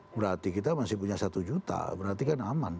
berarti kita masih punya satu juta berarti kan aman